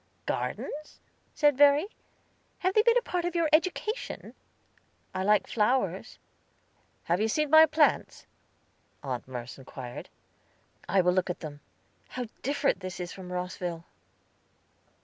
"Gardens?" said Verry. "Have they been a part of your education?" "I like flowers." "Have you seen my plants?" Aunt Merce inquired. "I will look at them. How different this is from Rosville?"